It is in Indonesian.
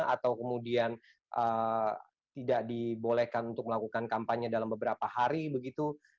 atau kemudian tidak dibolehkan untuk melakukan kampanye dalam beberapa hari begitu